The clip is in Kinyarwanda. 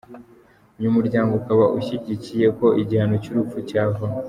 Uyu muryango ukaba ushyigikiye ko igihano cy'urupfu cyavaho.